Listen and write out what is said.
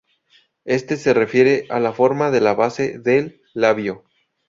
Este se refiere a la forma de la base del labio.